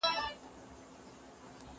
دغه رازپه عربي نوموکي دالف مقصوره پرځای لکه